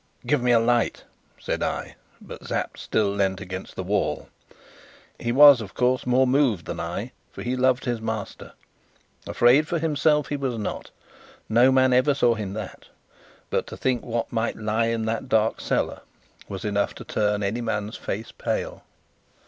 "Give me a light," said I; but Sapt still leant against the wall. He was, of course, more moved than I, for he loved his master. Afraid for himself he was not no man ever saw him that; but to think what might lie in that dark cellar was enough to turn any man's face pale.